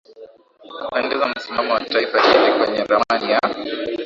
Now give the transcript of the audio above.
kupendeza Msimamo wa taifa hili kwenye ramani ya